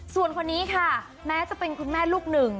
ส่วนคนนี้ค่ะแม้จะเป็นคุณแม่ลูกหนึ่ง